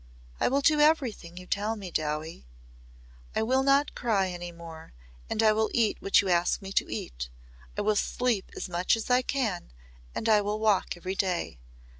"I will do everything you tell me, Dowie. I will not cry any more and I will eat what you ask me to eat. I will sleep as much as I can and I will walk every day.